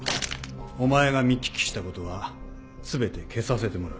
お前が見聞きしたことは全て消させてもらう。